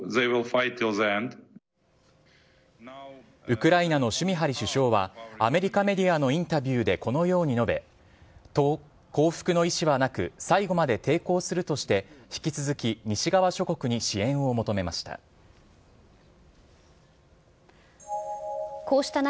ウクライナのシュミハリ首相は、アメリカメディアのインタビューでこのように述べ、降伏の意思はなく、最後まで抵抗するとして、引き続き西側諸国に支援を求めました。